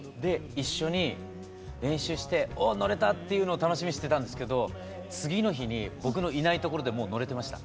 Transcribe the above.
一緒に練習しておっ乗れたっていうのを楽しみにしてたんですけど次の日に僕のいないところでもう乗れてました。